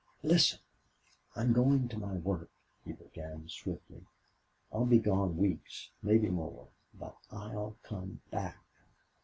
"Listen. I'm going to my work," he began, swiftly. "I'll be gone weeks maybe more. BUT I'LL COME BACK!...